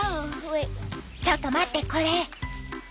ちょっと待ってこれ。